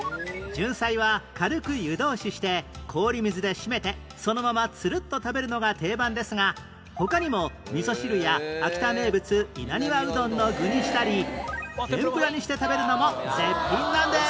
じゅんさいは軽く湯通しして氷水でしめてそのままツルッと食べるのが定番ですが他にも味噌汁や秋田名物稲庭うどんの具にしたり天ぷらにして食べるのも絶品なんです